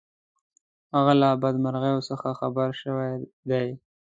هغه له بدمرغیو څخه خبر شوی دی.